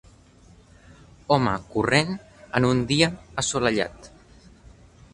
Home corrent en un dia assolellat.